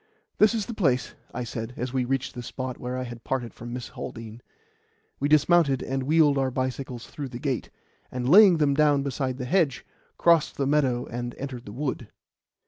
"This is the place," I said, as we reached the spot where I had parted from Miss Haldean. We dismounted and wheeled our bicycles through the gate, and laying them down beside the hedge, crossed the meadow and entered the wood.